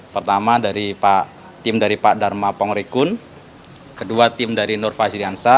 pertama dari tim dari pak dharma pongrikun kedua tim dari nur fahriansa